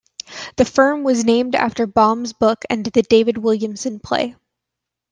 The firm was named after Baum's book and the David Williamson play.